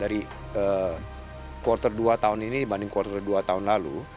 dari kuartal dua tahun ini dibanding kuartal dua tahun lalu